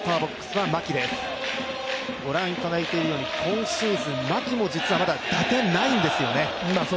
ご覧いただいているように今シーズン牧もまだ実は打点ないんですよね。